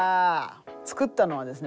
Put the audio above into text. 作ったのはですね